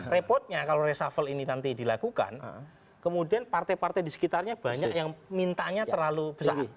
repotnya kalau reshuffle ini nanti dilakukan kemudian partai partai di sekitarnya banyak yang mintanya terlalu besar